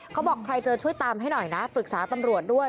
เขาบอกใครเจอช่วยตามให้หน่อยนะปรึกษาตำรวจด้วย